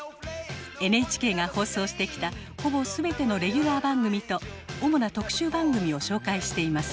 ＮＨＫが放送してきたほぼ全てのレギュラー番組と主な特集番組を紹介しています。